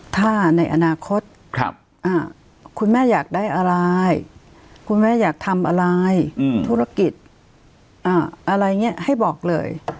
ถ้าในอนาคตคุณแม่อยากได้อะไรคุณแม่อยากทำอะไรธุรกิจอะไรอย่างนี้ให้บอกเลย